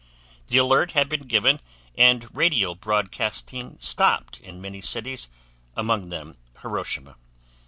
The alert had been given and radio broadcasting stopped in many cities, among them Hiroshima.